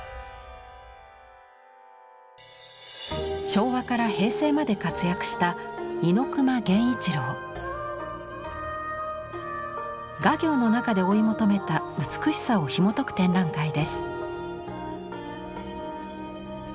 昭和から平成まで活躍した画業の中で追い求めた美しさをひもとく展覧会です。